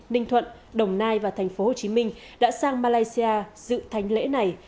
ninh thuận đồng nai và tp hcm đã sang malaysia dự thánh lễ này